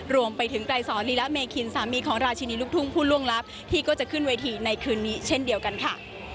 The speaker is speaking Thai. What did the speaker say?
รวมไปถึงไกรสอนลีละเมคินสามีของราชินีลูกทุ่งผู้ล่วงลับที่ก็จะขึ้นเวทีในคืนนี้เช่นเดียวกันค่ะ